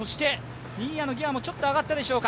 新谷のギアもちょっと上がったでしょうか。